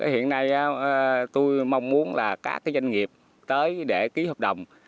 hiện nay tôi mong muốn là các doanh nghiệp tới để ký hợp đồng